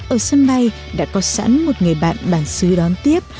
ở sân bay đã có sẵn một người bạn bản xứ đón tiếp